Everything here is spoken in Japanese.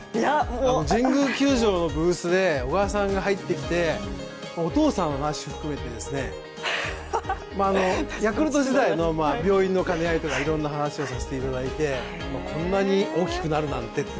神宮球場のブースで、小川さんが入ってきてお父さんの話を含めて、ヤクルト時代の病院の兼ね合いとか、いろんな話をさせていただいてこんなに大きくなるなんてと。